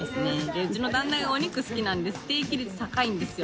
うちの旦那がお肉好きなんでステーキ率高いんですよ。